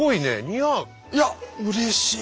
いやうれしい！